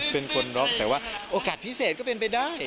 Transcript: เป็นคนน็อกแต่ว่าโอกาสพิเศษก็เป็นไปได้